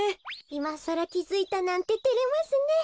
いまさらきづいたなんててれますね。